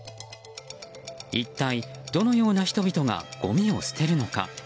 一体どのような人々がごみを捨てるのか。